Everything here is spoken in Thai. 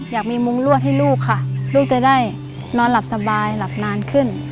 อยากมีมุงรวดให้ลูกค่ะลูกจะได้นอนหลับสบายหลับนานขึ้น